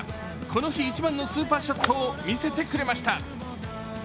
この日一番のスーパーショットを見せてくれました。